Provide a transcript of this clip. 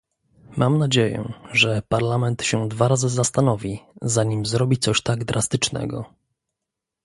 Mam nadzieję, że Parlament się dwa razy zastanowi, zanim zrobi coś tak drastycznego